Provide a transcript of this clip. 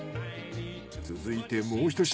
続いてもうひと品。